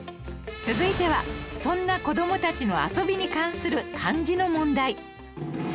続いてはそんな子どもたちの遊びに関する漢字の問題